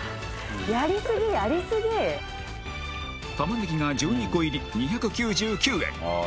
やりすぎやりすぎ玉ねぎが１２個入り２９９円